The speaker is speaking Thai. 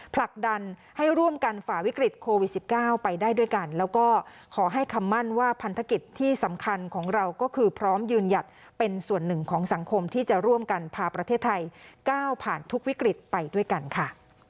ผลักดันให้ร่วมกันฝ่าวิกฤตโควิด๑๙ไปได้ด้วยกันแล้วก็ขอให้คำมั่นว่าพันธกิจที่สำคัญของเราก็คือพร้อมยืนหยัดเป็นส่วนหนึ่งของสังคมที่จะร่วมกันพาประเทศไทยก้าวผ่านทุกวิกฤตไปด้วยกันค่ะ